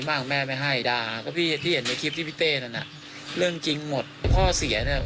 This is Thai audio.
แม่ไม่ให้ด่าก็พี่ที่เห็นในคลิปที่พี่เต้นันอ่ะเรื่องจริงหมดพ่อเสียเนี่ย